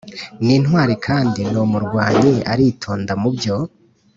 N intwari kandi ni umurwanyi aritonda mu byo